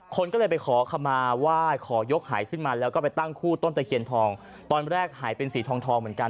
คนก็เลยไปขอคำมาไหว้ขอยกหายขึ้นมาแล้วก็ไปตั้งคู่ต้นตะเคียนทองตอนแรกหายเป็นสีทองทองเหมือนกัน